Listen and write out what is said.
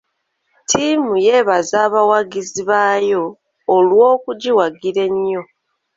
Ttiimu yeebaza abawagizi baayo olw'okugiwagira ennyo.